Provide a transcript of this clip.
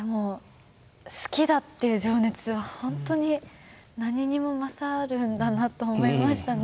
好きだっていう情熱はほんとに何にも勝るんだなと思いましたね。